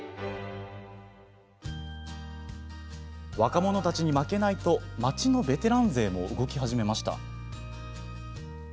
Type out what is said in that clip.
若者たちに負けないと町のベテラン勢も動き始めました。